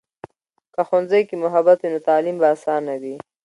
که ښوونځي کې محبت وي، نو تعلیم به آسانه وي.